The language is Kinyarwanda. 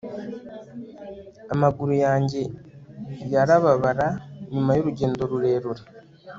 amaguru yanjye yarababara nyuma y'urugendo rurerure